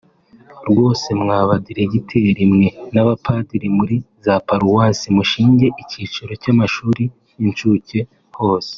rwose mwa badiregiteri mwe n’abapadiri muri za Paruwasi mushinge icyiciro cy’amashuri y’incuke hose